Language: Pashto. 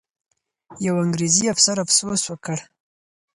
یو انګریزي افسر افسوس وکړ.